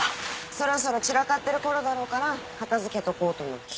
そろそろ散らかってる頃だろうから片付けとこうと思って。